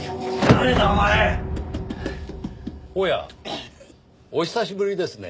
おやお久しぶりですね。